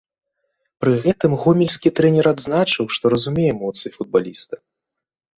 Пры гэтым гомельскі трэнер адзначыў, што разумее эмоцыі футбаліста.